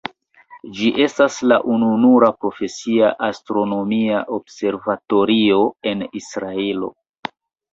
Ĝi estas la ununura profesia astronomia observatorio en Israelo.